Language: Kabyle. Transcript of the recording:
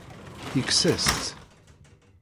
Yekkes-as-tt.